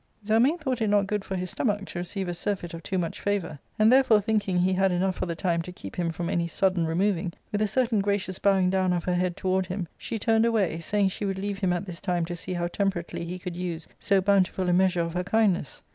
Zelmane thought it not good for his stomach to receive a surfeit of too much favour, and therefore thinking he had enough for the time to keep him from any sudden removing, with a certain gracious bowing down of her head toward him, she turned away, saying she would leave him at this time to see how temperately he could use so bountiful a measure of her kindness.